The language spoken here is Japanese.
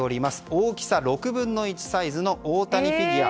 大きさ６分の１サイズの大谷フィギュア。